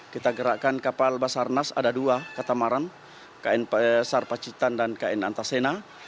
kita gerakkan kapal basarnas ada dua katamaran km sarpacitan dan km antasena